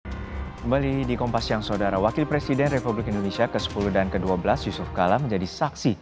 kembali di kompas yang saudara wakil presiden republik indonesia ke sepuluh dan ke dua belas yusuf kala menjadi saksi